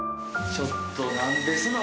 ちょっとなんですの？